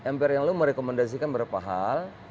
mpr yang lalu merekomendasikan beberapa hal